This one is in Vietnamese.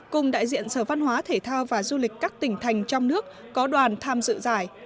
cùng đại diện sở văn hóa thể thao và du lịch các tỉnh thành trong nước có đoàn tham dự giải